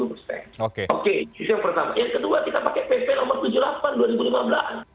yang kedua kita pakai pp nomor tujuh puluh delapan